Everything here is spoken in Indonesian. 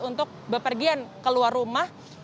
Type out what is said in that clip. untuk bepergian keluar rumah